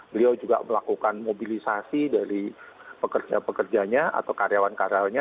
beliau juga melakukan mobilisasi dari pekerja pekerjanya atau karyawan karyawannya